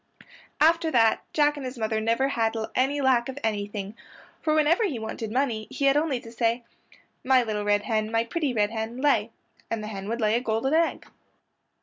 After that Jack and his mother never had any lack of anything, for whenever he wanted money he had only to say, "My little red hen, my pretty red hen, lay," and the hen would lay a gold egg.